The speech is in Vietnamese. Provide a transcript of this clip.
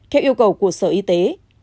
theo yêu cầu của sở y tế